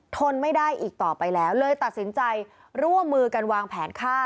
ทนไม่ได้อีกต่อไปแล้วเลยตัดสินใจร่วมมือกันวางแผนฆ่า